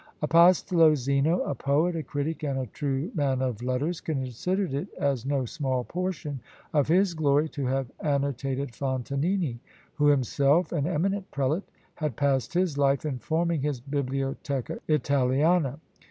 Apostolo Zeno, a poet, a critic, and a true man of letters, considered it as no small portion of his glory to have annotated Fontanini, who, himself an eminent prelate, had passed his life in forming his Bibliotheca Italiana.